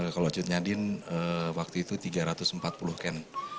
kalau cud nyadin waktu itu tiga ratus empat puluh kan